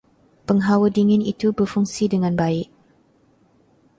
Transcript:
Penghawa dingin itu berfungsi dengan baik.